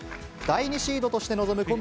第２シードとして臨む